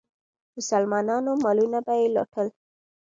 مسلمانانو مالونه به یې لوټل.